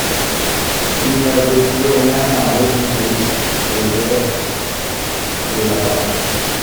Il n’avait plus rien à redouter des êtres de là-bas!...